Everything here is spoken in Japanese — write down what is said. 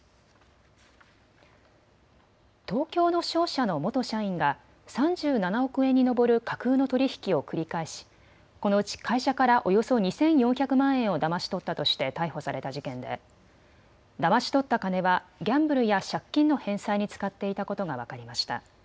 東京の商社の元社員が３７億円に上る架空の取り引きを繰り返し、このうち会社からおよそ２４００万円をだまし取ったとして逮捕された事件でだまし取った金はギャンブルや借金の返済に使っていたことが分かりました。